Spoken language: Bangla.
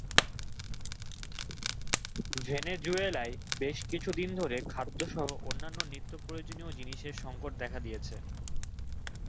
ভেনেজুয়েলায় বেশ কিছু দিন ধরে খাদ্যসহ অন্যান্য নিত্যপ্রয়োজনীয় জিনিসের সংকট দেখা দিয়েছে।